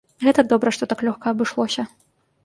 Гэта добра, што так лёгка абышлося.